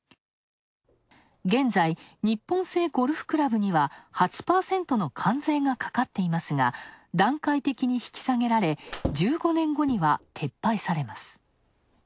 現在、日本製ゴルフクラブには８％の関税がかかっていますが段階的に引き下げられ、１５年後には撤廃されます。